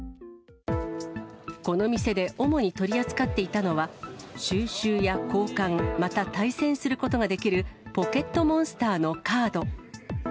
この店で主に取り扱っていたのは、収集や交換、また対戦することができるポケットモンスターのカード。